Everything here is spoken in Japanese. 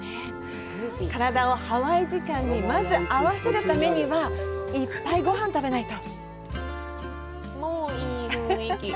体をハワイ時間に合わせるためにいっぱいごはん食べないと。